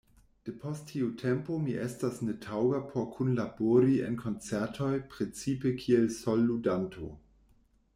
De post tiu tempo mi estas netaŭga por kunlabori en koncertoj, precipe kiel solludanto.